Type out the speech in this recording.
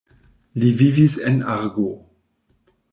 Li vivis en Argo.